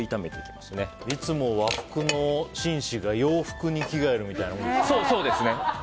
いつも和服の紳士が、洋服に着替えるみたいなもんですね。